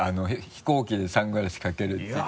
飛行機でサングラスかけるっていう。